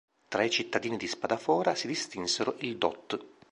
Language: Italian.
Tra i cittadini di Spadafora si distinsero il dott.